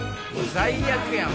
最悪やん！